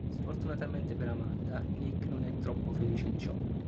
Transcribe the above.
Sfortunatamente per Amanda, Nick non è troppo felice di ciò.